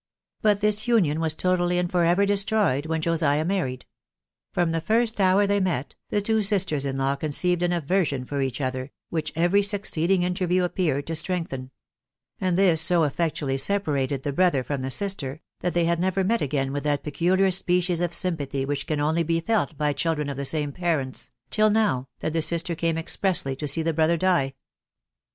But this union was totally and for ever destroyed when Josiah married ; from the first hour they met, the two sisters in law conceived an aversion for each other, which every succeeding interview appeared to strengthen ; and this so effectually separated the brother from the sister, that they had never met again with that peculiar species of sympathy which can only be felt by children of the same parents, till now, that the sister came expressly to see the brother die.